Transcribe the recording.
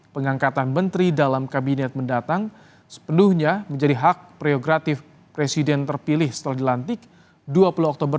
pengangkatan menteri dalam kabinet mendatang sepenuhnya menjadi hak prerogatif presiden terpilih setelah dilantik dua puluh oktober dua ribu dua puluh